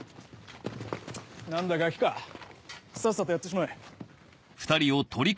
何だガキかさっさとやってしまえ。